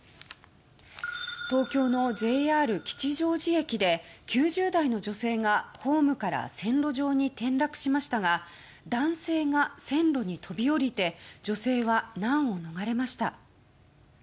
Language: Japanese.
東京のＪＲ吉祥寺駅で９０代の女性がホームから線路上に転落しましたが男性が線路に飛び降りて女性は難を逃れました。